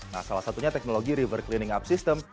nah salah satunya teknologi river cleaning up system